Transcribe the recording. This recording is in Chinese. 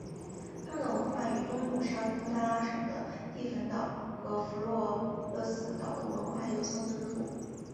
他们的文化与东努沙登加拉省的帝汶岛和弗洛勒斯岛的文化也有相似之处。